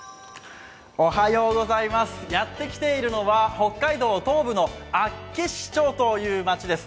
やってきているのは北海道東部の厚岸町という町です。